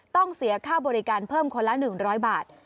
ต้องเสียค่าบริการเพิ่มคนละ๑๐๐บาท